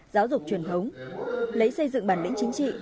giáo dục truyền thống lấy xây dựng bản lĩnh chính trị